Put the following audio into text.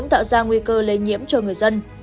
tạo ra nguy cơ lây nhiễm cho người dân